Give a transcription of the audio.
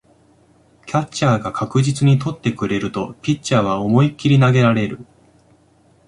キャッチャーが確実に捕ってくれるとピッチャーは思いっきり投げられる